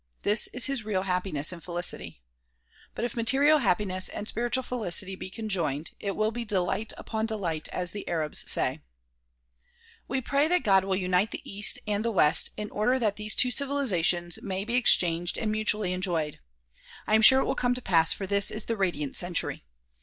This is his real happiness and felicity. But if material happiness and spiritual felicity be conjoined, it will be ''delight upon delight," as the Arabs say. DISCOURSES DELIVERED IN NEW YORK 161 We pray that God will unite the east and the west in order that these two civilizations may be exchanged and mutually enjoyed. I am sure it will come to pass for this is the radiant century.